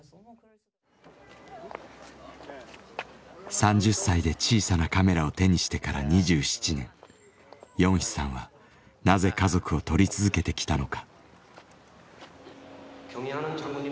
３０歳で小さなカメラを手にしてから２７年ヨンヒさんはなぜ家族を撮り続けてきたのか。